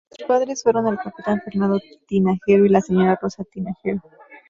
Sus padres fueron el Capitán Fernando Tinajero y la señora Rosa Tinajero.